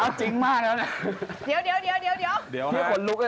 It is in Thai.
น้ำจริงมากแล้วนะ